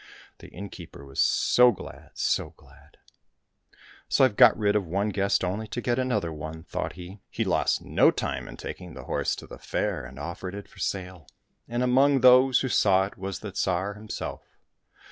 The innkeeper was so glad, so glad. " So I've got rid of one guest only to get another one," thought he. 117 COSSACK FAIRY TALES He lost no time in taking the horse to the fair, and offered it for sale, and among those who saw it was the Tsar himself.